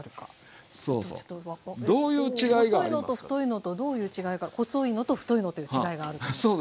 細いのと太いのとどういう違いが細いのと太いのという違いがあると思いますけど。